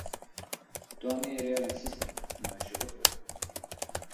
Тоа не е реален систем, но е животворен.